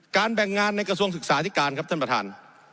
แบ่งงานในกระทรวงศึกษาธิการครับท่านประธาน